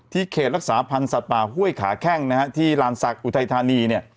เขตรักษาพันธ์สัตว์ป่าห้วยขาแข้งนะฮะที่ลานศักดิ์อุทัยธานีเนี่ย